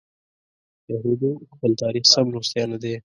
یهودو خپل تاریخ سم لوستی نه دی.